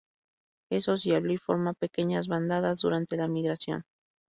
Es sociable y forma pequeñas bandadas durante la migración.